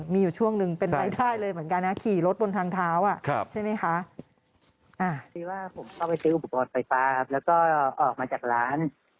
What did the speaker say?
มีอยู่ช่วงหนึ่งนายได้เลยเหมือนกันนะขี่รถบนทางเท้า